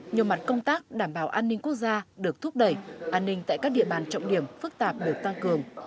nhiều mặt công tác đảm bảo an ninh quốc gia được thúc đẩy an ninh tại các địa bàn trọng điểm phức tạp được tăng cường